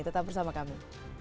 tetap bersama kami